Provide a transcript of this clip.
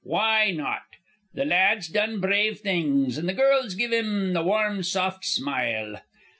Why not? The lad's done brave things, and the girls give him the warm soft smile.